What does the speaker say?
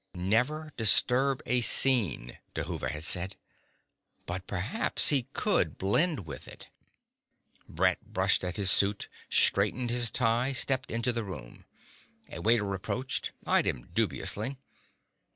Never disturb a scene, Dhuva had said. But perhaps he could blend with it. Brett brushed at his suit, straightened his tie, stepped into the room. A waiter approached, eyed him dubiously.